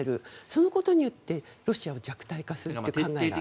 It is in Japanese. そのことによってロシアを弱体化させていく。